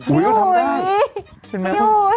อุ้ยก็ทำได้